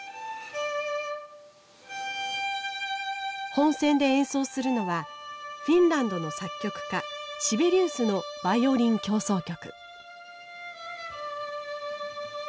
本選で演奏するのはフィンランドの作曲家シベリウスの「バイオリン協奏曲」。